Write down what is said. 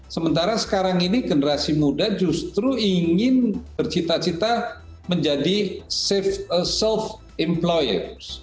sementara sekarang ini generasi muda justru ingin bercita cita menjadi soft employers